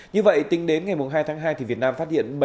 như vậy tính đến ngày hai tháng hai việt nam phát hiện